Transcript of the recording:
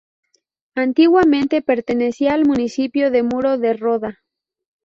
Antiguamente pertenecía al municipio de Muro de Roda.